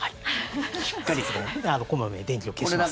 しっかりと小まめに電気を消します。